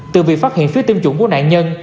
từ việc phát hiện phía tiêm chủng của nạn nhân